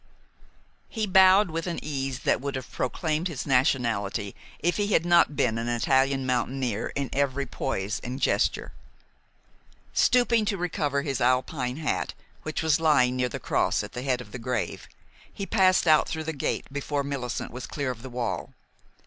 He bowed with an ease that would have proclaimed his nationality if he had not been an Italian mountaineer in every poise and gesture. Stooping to recover his Alpine hat, which was lying near the cross at the head of the grave, he passed out through the gate before Millicent was clear of the wall.